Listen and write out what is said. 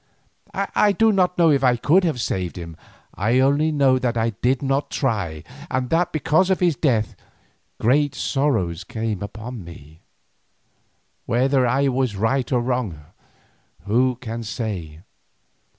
I do not know if I could have saved him, I only know that I did not try, and that because of his death great sorrows came upon me. Whether I was right or wrong, who can say?